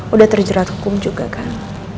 udah terjerat hukum juga kan